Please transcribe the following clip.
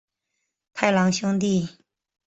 太郎兄弟。